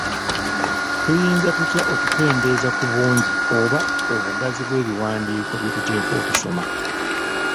Tuyinza tutya okukendeeza ku bungi oba obugazi bw’ebiwandiiko bye tuteekwa okusoma?